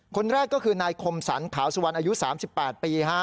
คนแรกก็คือนายคมสรรขาวสุวรรณอายุ๓๘ปี